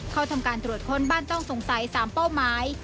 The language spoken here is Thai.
เข้าทำการตรวจค้นบ้านต้องสงสัย๓เป้าหมาย